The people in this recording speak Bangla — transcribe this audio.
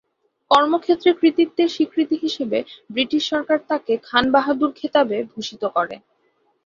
কর্মক্ষেত্রে কৃতিত্বের স্বীকৃতি হিসেবে ব্রিটিশ সরকার তাকে "খান বাহাদুর" খেতাবে ভূষিত করে।